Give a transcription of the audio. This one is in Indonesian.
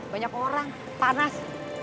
banyak orang panas